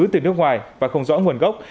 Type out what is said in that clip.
từ nước ngoài và không rõ nguồn gốc